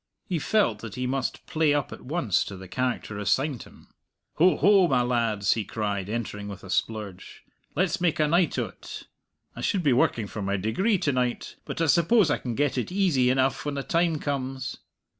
He felt that he must play up at once to the character assigned him. "Ho, ho, my lads!" he cried, entering with, a splurge; "let's make a night o't. I should be working for my degree to night, but I suppose I can get it easy enough when the time comes."